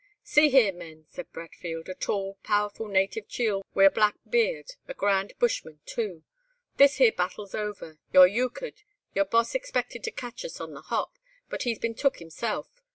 "'See here, men,' said Bradfield, a tall, powerful native chiel wi' a black beard, a grand bushman, too; 'this here battle's over, you're euchred, your boss expected to catch us on the hop, and he's been took himself.